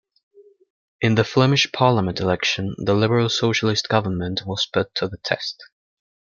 In the Flemish Parliament election, the liberal-socialist government was put to the test.